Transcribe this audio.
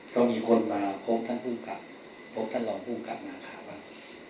ก็มีคนมาพบท่านผู้กับมาค่ะว่า